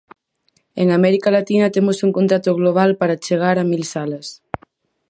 En América Latina temos un contrato global para chegar a mil salas.